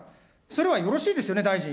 それはよろしいですよね、大臣。